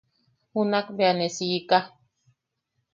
Junak bea ne siika.